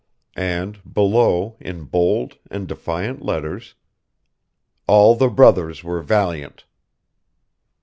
And, below, in bold and defiant letters: "'All the brothers were valiant.'"